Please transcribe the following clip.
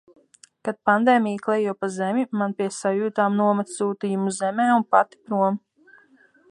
Kad pandēmija klejo pa zemi, man pie sajūtām nomet sūtījumu zemē un pati prom.